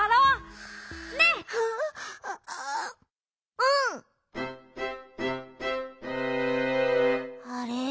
ううん。あれ？